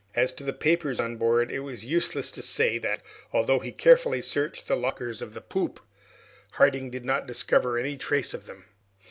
As to the papers on board, it is useless to say that, although he carefully searched the lockers of the poop, Harding did not discover any trace of them.